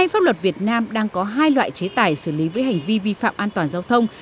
pháp luật việt nam đang có hai loại chế tài xử lý với hành vi vi phạm an toàn giao thông